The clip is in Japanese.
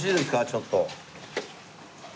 ちょっと。